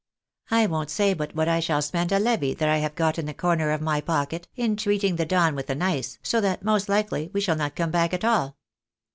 I won't say but what I shall spend a ' levy' that I have got in the corner of my pocket, in treating the Don with an ice, so that most likely we shall not come back at all."